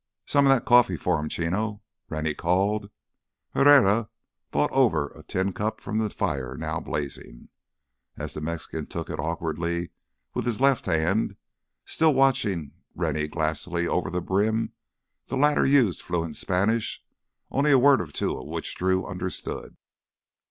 "Some of that coffee for him, Chino," Rennie called. Herrera brought over a tin cup from the fire now blazing. As the Mexican took it awkwardly with his left hand, still watching Rennie glassily over the brim, the latter used fluent Spanish, only a word or two of which Drew understood.